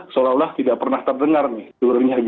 seolah olah tidak pernah terdengar nih